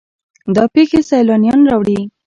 دا پیښې سیلانیان راوړي.